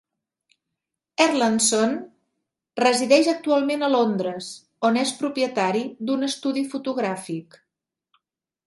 Erlandsson resideix actualment a Londres, on és propietari d'un estudi fotogràfic.